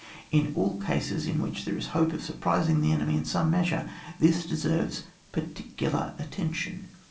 In all cases in which there is a hope of surprising the enemy in some measure, this deserves particular attention.